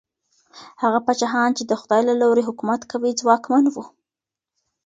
هغه پاچاهان چي د خدای له لورې حکومت کوي، ځواکمن وو.